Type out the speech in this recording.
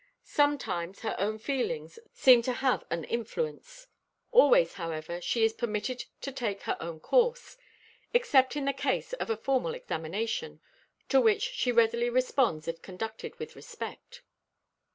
Sometimes her own feelings seem to have an influence. Always, however, she is permitted to take her own course, except in the case of a formal examination, to which she readily responds if conducted with respect.